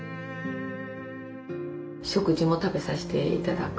食事も食べさせて頂く。